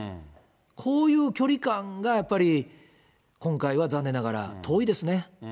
こういう距離感がやっぱり今回は残念ながら遠いですね。